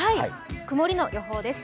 曇りの予報です。